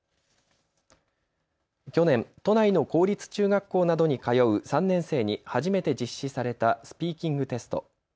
去年、都内の公立中学校などに通う３年生に初めて実施されたスピーキングテスト。